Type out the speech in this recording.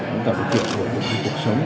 để tạo điều kiện của cuộc sống